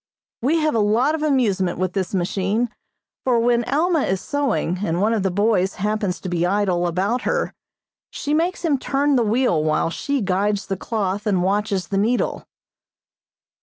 We have a lot of amusement with this machine, for when Alma is sewing and one of the boys happens to be idle about her she makes him turn the wheel while she guides the cloth and watches the needle.